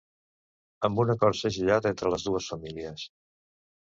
Amb un acord segellat entre les dues famílies.